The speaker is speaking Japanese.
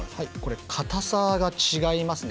硬さが違いますね。